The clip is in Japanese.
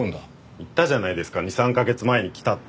言ったじゃないですか２３カ月前に来たって。